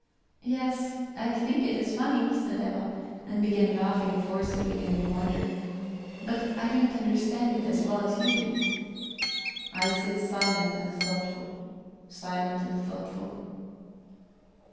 "Yes, I think it is funny," said Eva, and began laughing forcedly and in wonder. "But I don't understand it as well as you do." I sit silent and thoughtful, silent and thoughtful.